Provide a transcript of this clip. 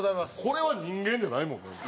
これは人間じゃないもんね。